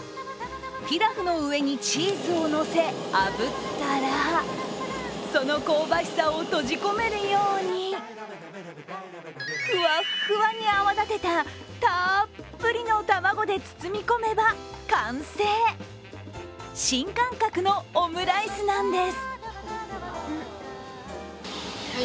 ピラフの上にチーズをのせあぶったら、その香ばしさを閉じ込めるように、ふわふわに泡立てたたっぷりの卵で包み込めば、完成新感覚のオムライスなんです。